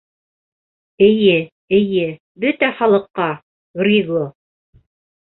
— Эйе, эйе, бөтә халыҡҡа, Григо...